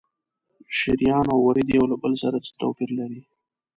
شریان او ورید یو له بل سره څه توپیر لري؟